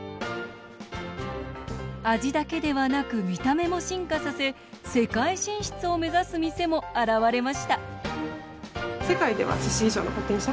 味だけではなく見た目も進化させ世界進出を目指す店も現れました